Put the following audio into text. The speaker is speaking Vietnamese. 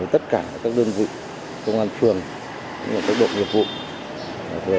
tất cả các đơn vị công an phường các đội nhiệm vụ